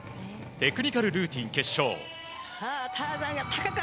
テクニカルルーティン決勝。